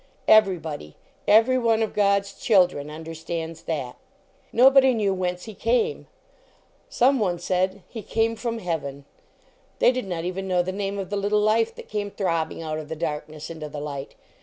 Eyptybgdy every one of God s children, un ...... Jtobgdy knew whence he came. Some :;: V: \ .bilfc feaid ;.. \He came from heaven." They did not even know the name of the little life that came throbbing out of the darkness into the light.